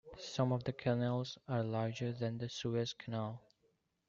Some of the canals are larger than the Suez Canal.